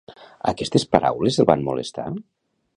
Aquestes paraules el van molestar?